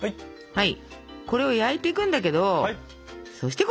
はい！